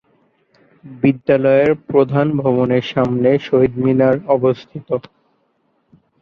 বিদ্যালয়ের প্রধান ভবনের সামনে শহীদ মিনার অবস্থিত।